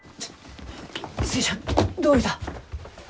寿恵ちゃんどういた？